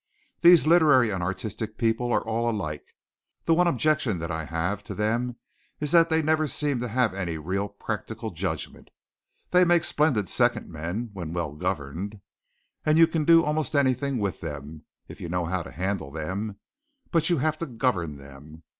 These literary and artistic people are all alike. The one objection that I have to them is that they never seem to have any real practical judgment. They make splendid second men when well governed, and you can do almost anything with them, if you know how to handle them, but you have to govern them.